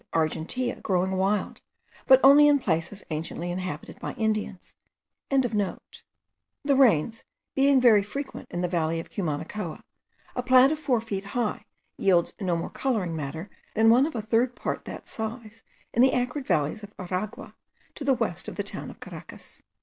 argentea growing wild, but only in places anciently inhabited by Indians.) The rains being very frequent in the valley of Cumanacoa, a plant of four feet high yields no more colouring matter than one of a third part that size in the arid valleys of Aragua, to the west of the town of Caracas.